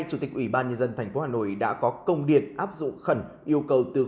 rồi rồi anh điền về đi